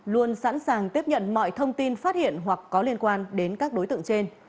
luôn sẵn sàng tiếp nhận mọi thông tin phát hiện hoặc có liên quan đến các đối tượng trên